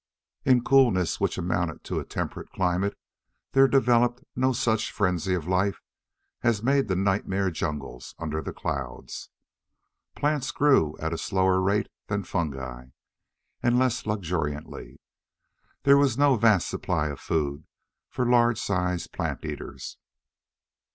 In coolness which amounted to a temperate climate, there developed no such frenzy of life as made the nightmare jungles under the clouds. Plants grow at a slower rate than fungi, and less luxuriantly. There was no vast supply of food for large sized plant eaters.